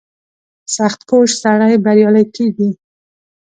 • سختکوش سړی بریالی کېږي.